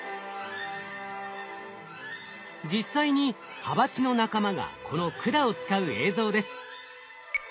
実際にハバチの仲間がこの管を使う映像です。